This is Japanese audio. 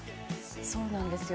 「そうなんですよ」